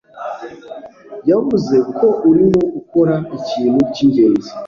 yavuze ko urimo ukora ikintu cyingenzi.